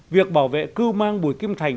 việc bảo vệ cư mang bùi kim thành